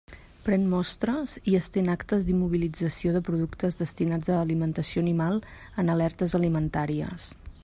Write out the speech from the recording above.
Pren mostres i estén actes d'immobilització de productes destinats a alimentació animal en alertes alimentàries.